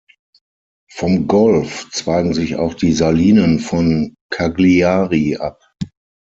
Vom Golf zweigen sich auch die Salinen von Cagliari ab.